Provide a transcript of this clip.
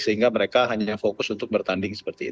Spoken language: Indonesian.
sehingga mereka hanya fokus untuk bertanding